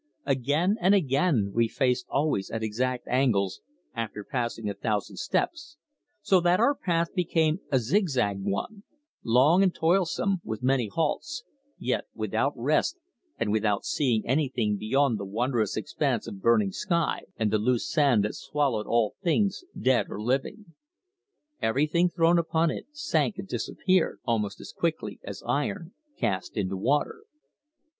Again and again we faced always at exact angles after pacing a thousand steps, so that our path became a zig zag one, long and toilsome, with many halts, yet without rest and without seeing anything beyond the wondrous expanse of burning sky and the loose sand that swallowed all things dead or living. Everything thrown upon it sank and disappeared almost as quickly as iron cast into water.